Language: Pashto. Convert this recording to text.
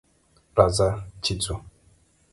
راځه ! چې ځو.